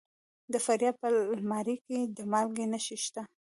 د فاریاب په المار کې د مالګې نښې شته.